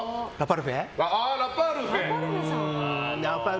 ラパルフェ。